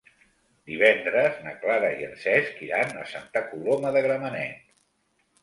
Divendres na Clara i en Cesc iran a Santa Coloma de Gramenet.